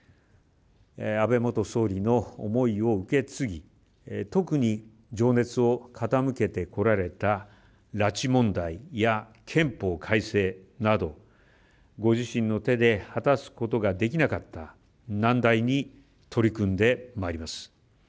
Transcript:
安倍元総理の思いを受け継ぎ特に情熱を傾けてこられた拉致問題や憲法改正などご自身の手で果たすことができなかった難題に取り組んでまいります。